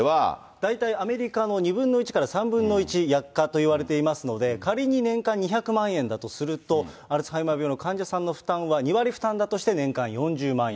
大体アメリカの２分の１から３分の１、薬価といわれていますので、仮に年間２００万円だとすると、アルツハイマー病の患者さんの負担は２割負担だとして年間４０万円。